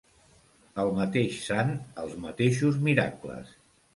El mateix sant, els mateixos miracles.